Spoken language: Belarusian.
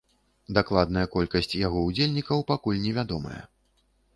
Дакладная колькасць яго ўдзельнікаў пакуль не вядомая.